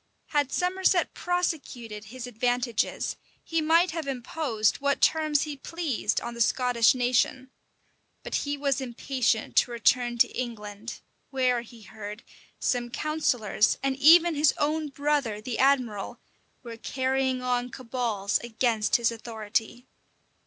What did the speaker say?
[*] Had Somerset prosecuted his advantages, he might have imposed what terms he pleased on the Scottish nation: but he was impatient to return to England, where, he heard, some counsellors, and even his own brother, the admiral, were carrying on cabals against his authority.